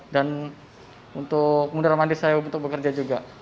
dan untuk mudal mandi saya untuk bekerja juga